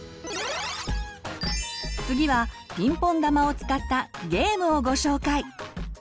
次はピンポン球を使ったゲームをご紹介！